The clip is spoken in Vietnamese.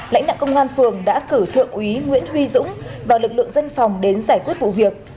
lãnh đạo công an phường đã cử thượng úy nguyễn huy dũng và lực lượng dân phòng đến giải quyết vụ việc